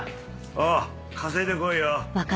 おう稼いでこいよ。